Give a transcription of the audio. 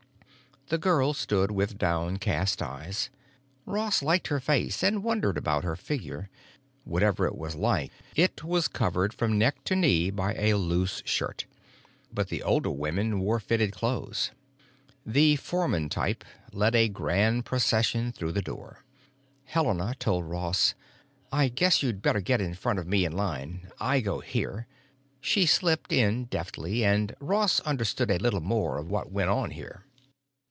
The girl stood with downcast eyes. Ross liked her face and wondered about her figure. Whatever it was like, it was covered from neck to knee by a loose shirt. But the older women wore fitted clothes. The foreman type led a grand procession through the door. Helena told Ross: "I guess you'd better get in front of me in line. I go here——" She slipped in deftly, and Ross understood a little more of what went on here.